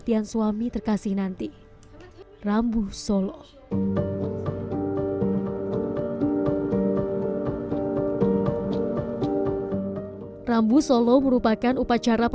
yang saya baca adalah temanuthuhharian